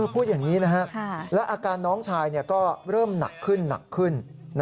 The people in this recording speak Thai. พูดอย่างนี้และอาการน้องชายก็เริ่มหนักขึ้น